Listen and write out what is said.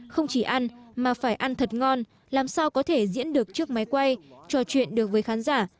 không chỉ ăn mà phải ăn thật ngon làm sao có thể diễn được chiếc máy quay trò chuyện được với khán giả